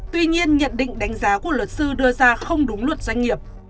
tuy nhiên nhận định đánh giá của luật sư đưa ra không đúng luật doanh nghiệp